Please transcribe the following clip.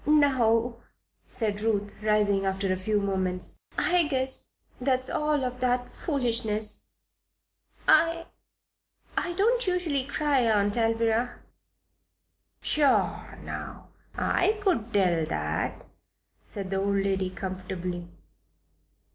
"Now," said Ruth, rising after a few moments, "I guess that's all of that foolishness. I I don't usually cry, Aunt Alvirah." "Pshaw, now! I could tell that," said the old lady, comfortably.